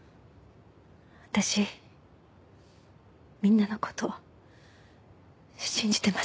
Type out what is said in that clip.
私みんなの事信じてますから。